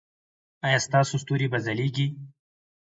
ایا ستاسو ستوري به ځلیږي؟